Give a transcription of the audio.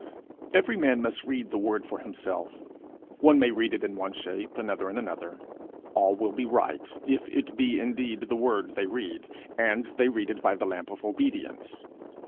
Every man must read the Word for himself. One may read it in one shape, another in another: all will be right if it be indeed the Word they read, and they read it by the lamp of obedience.